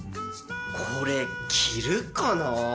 これ着るかなぁ。